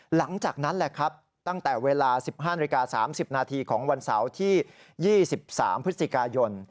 หลังจากนั้นตั้งแต่เวลา๑๕๓๐นาทีของวันเสาร์ที่๒๓พฤษฎิกายน